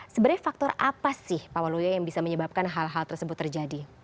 sebenarnya faktor apa sih pak waluyo yang bisa menyebabkan hal hal tersebut terjadi